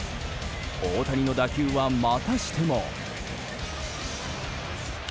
大谷の打球はまたしても。